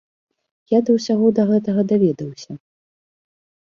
Я да ўсяго да гэтага даведаўся.